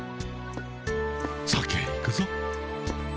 先へ行くぞ。